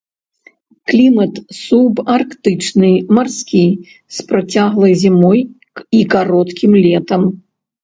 Клімат субарктычны, марскі, з працяглай зімой і кароткім летам.